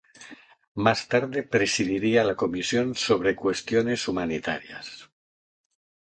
Más tarde presidiría la Comisión sobre cuestiones humanitarias.